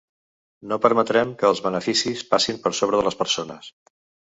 No permetrem que els beneficis passin per sobre de les persones.